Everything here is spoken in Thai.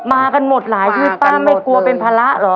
มากันหมดหลายที่ป้าไม่กลัวเป็นภาระเหรอ